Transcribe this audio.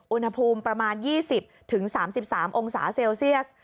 อุณหภูมิประมาณ๒๐๓๓องศาเซลเซียส